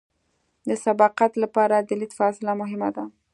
د سبقت لپاره د لید فاصله مهمه ده